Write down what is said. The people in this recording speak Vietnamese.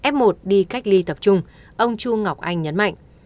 f một đi cách ly tập trung ông chu ngọc anh nhấn mạnh